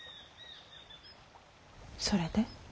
それで？